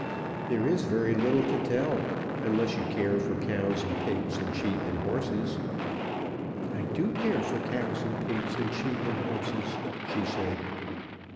"There is very little to tell, unless you care for cows and pigs, and sheep and horses." "I do care for cows and pigs, and sheep and horses," she said.